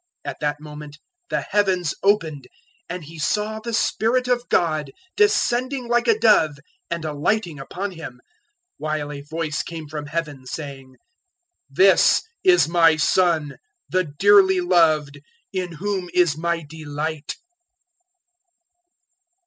At that moment the heavens opened, and he saw the Spirit of God descending like a dove and alighting upon Him, 003:017 while a voice came from Heaven, saying, "This is My Son, the dearly loved, in whom is My delight."